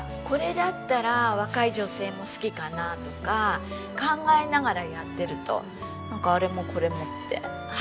これだったら若い女性も好きかなとか考えながらやってるとあれもこれもって。